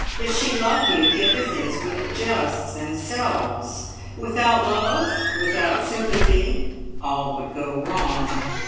If she loved you the other things would adjust themselves. Without love, without sympathy, all would go wrong."